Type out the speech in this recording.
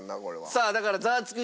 さあだからザワつく！